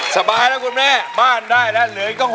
สบายแล้วคุณแม่บ้านได้แล้วเหลืออีกตั้ง๖๐